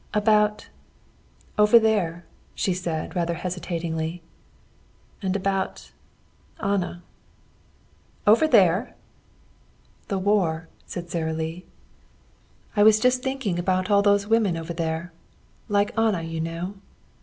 "About over there," she said rather hesitatingly. "And about Anna." "Over there?" "The war," said Sara Lee. "I was just thinking about all those women over there like Anna, you know.